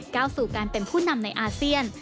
ก้าวสู่การเป็นผู้นำในอาเซียน